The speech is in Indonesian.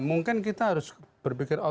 mungkin kita harus berpikir